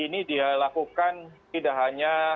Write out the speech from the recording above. ini dilakukan tidak hanya